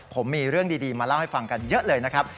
ผมมีเรื่องดีมาเล่าให้ฟังกันเยอะเลยนะครับ